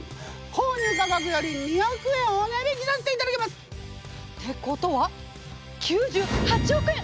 購入価格より２億円お値引きさせていただきます！ってことは９８億円！